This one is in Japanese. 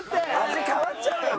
味変わっちゃうよ